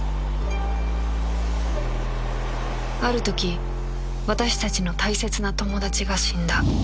ある時私たちの大切な友達が死んだ